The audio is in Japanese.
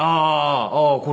ああーこれ。